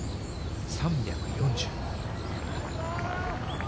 ３４０。